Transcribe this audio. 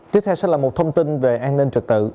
tiếp theo sẽ là một thông tin về an ninh trật tự